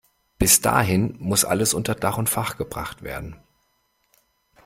Bis dahin muss alles unter Dach und Fach gebracht werden.